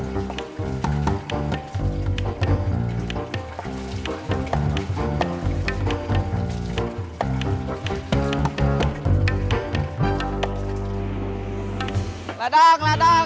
ladang ladang ladang